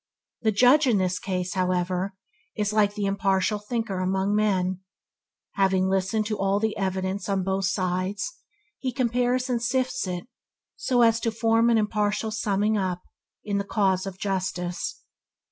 The Judge in the case, however, is like the impartial thinker among men: having listened to all the evidence on both sides, he compares and sifts it so as to form an impartial summing up in the cause of justice.